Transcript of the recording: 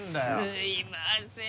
すいません